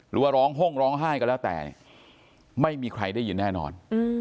หรือว่าร้องห้งร้องไห้ก็แล้วแต่เนี่ยไม่มีใครได้ยินแน่นอน